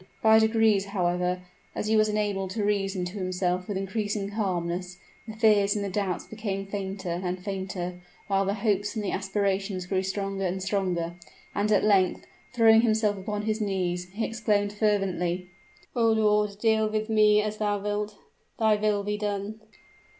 By degrees, however, as he was enabled to reason to himself with increasing calmness, the fears and the doubts became fainter and fainter, while the hopes and the aspirations grew stronger and stronger: and at length, throwing himself upon his knees, he exclaimed fervently, "O Lord, deal with me as thou wilt thy will be done!"